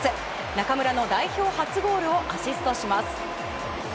中村の代表初ゴールをアシストします。